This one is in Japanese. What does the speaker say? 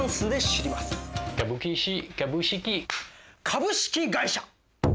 株式会社！